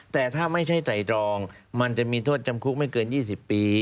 แต่ถ้าไม่ใช่ไตรรองมันจะมีโทษจำคุกไม่เกิน๒๐ปี